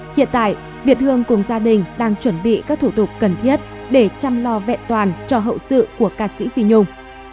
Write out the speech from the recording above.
hiện tại việt hương cùng gia đình đang chuẩn bị các thủ tục cần thiết để chăm lo vẹn toàn cho hậu sự của ca sĩ phi nhung